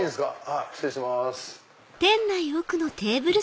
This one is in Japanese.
失礼します。